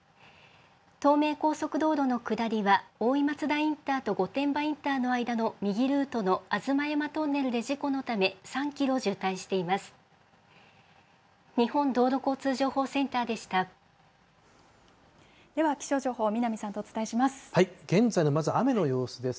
東名高速道路の下りはおおいまつだインターと御殿場インターの間の右ルートのあずまやまトンネルで事故のため、３キロ渋滞しています。